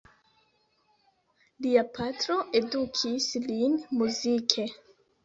Lia patro edukis lin muzike.